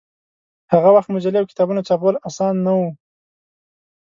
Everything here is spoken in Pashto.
هغه وخت مجلې او کتابونه چاپول اسان نه و.